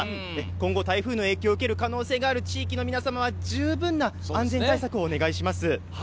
今後台風の影響を受ける可能性がある地域の皆様は十分な安全対策をお願いいたします。